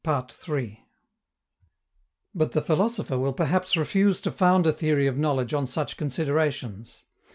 But the philosopher will perhaps refuse to found a theory of knowledge on such considerations.